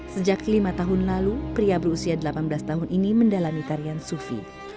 sejak lima tahun lalu pria berusia delapan belas tahun ini mendalami tarian sufi